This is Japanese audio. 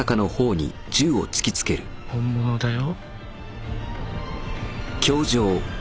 本物だよ。